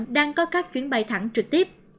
đang có các chuyến bay thẳng trực tiếp